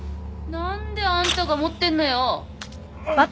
何であんたが持ってんのよ。